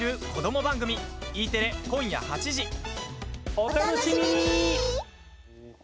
お楽しみに！